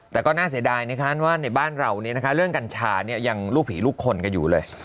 แต่ก็น่าเสียดายนะคะว่าในบ้านเราเรื่องกัญชายังลูกผีลูกคนกันอยู่เลย